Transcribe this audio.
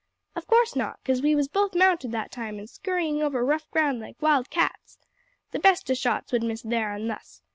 "Of course not 'cause we was both mounted that time, and scurryin' over rough ground like wild cats. The best o' shots would miss thar an' thus.